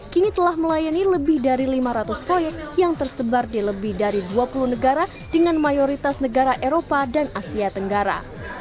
kini telah melayani lebih dari lima ratus proyek yang tersebar di lebih dari dua puluh negara dengan mayoritas negara eropa dan asia tenggara